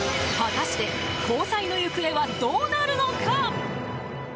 果たして、交際の行方はどうなるのか？